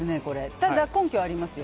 ただ、根拠はありますよ。